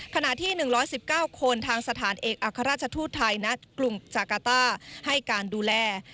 ขณะที่๑๑๙คนทางสถานเอกอัครราชทูตไทยนัดกลุ่มจากาต้าให้การดูแล